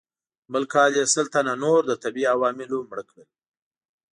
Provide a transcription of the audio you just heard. بل کال یې سل تنه نور له طبیعي عواملو مړه کېدل.